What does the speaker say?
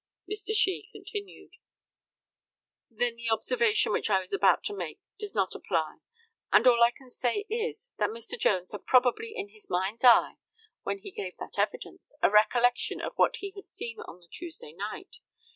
Mr. SHEE continued: Then the observation which I was about to make does not apply; and all I can say is, that Mr. Jones had probably in his mind's eye, when he gave that evidence, a recollection of what he had seen on the Tuesday night.